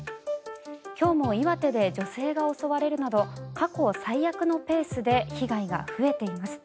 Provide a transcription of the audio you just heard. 今日も岩手で女性が襲われるなど過去最悪のペースで被害が増えています。